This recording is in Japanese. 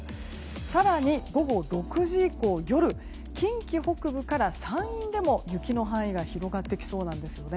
更に、午後６時以降夜は近畿北部から山陰でも雪の範囲が広がってきそうです。